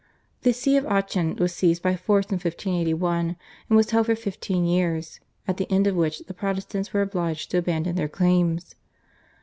The See of Aachen was seized by force in 1581, and was held for fifteen years, at the end of which the Protestants were obliged to abandon their claims.